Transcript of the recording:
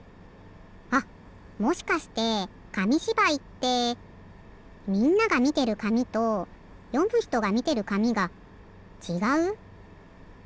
あっもしかしてかみしばいってみんながみてるかみとよむひとがみてるかみがちがう？